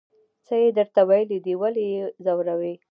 څه یې درته ویلي دي ولې یې ځوروئ.